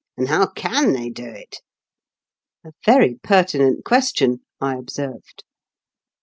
and how can they do it ?" "A very pertinent question/' I observed.